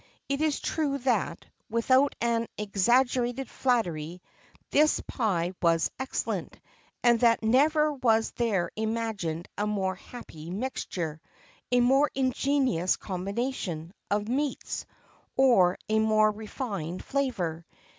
It is true that, without any exaggerated flattery, this pie was excellent, and that never was there imagined a more happy mixture, a more ingenious combination, of meats, or a more refined flavour.